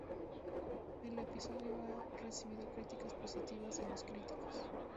El episodio ha recibido críticas positivas de los críticos.